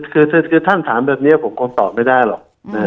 คือท่านถามแบบนี้ผมคงตอบไม่ได้หรอก